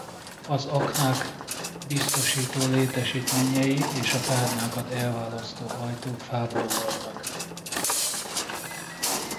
Az aknák biztosító létesítményei és a tárnákat elválasztók ajtók fából voltak.